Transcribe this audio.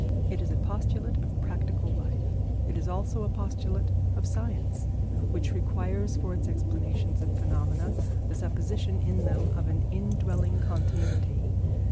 It is a postulate of practical life. It is also a postulate of science, which requires for its explanations of phenomena the supposition in them of an indwelling continuity.